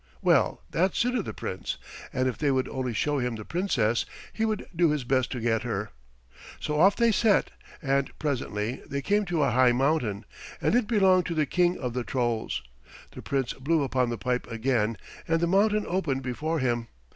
Well, that suited the Prince, and if they would only show him the Princess he would do his best to get her. So off they set, and presently they came to a high mountain, and it belonged to the King of the Trolls. The Prince blew upon the pipe again, and the mountain opened before him.